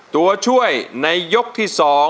ตัวช่วยในยกที่๒